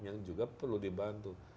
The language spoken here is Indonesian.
yang juga perlu dibantu